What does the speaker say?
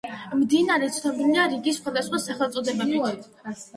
მდინარე ცნობილია რიგი სხვადასხვა სახელწოდებებით.